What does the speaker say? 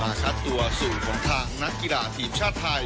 มาคัดตัวสู่ของทางนักกีฬาเตรียมชาติไทย